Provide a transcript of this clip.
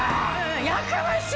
やかましわ！